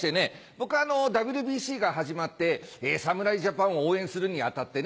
僕ＷＢＣが始まって侍ジャパンを応援するに当たってね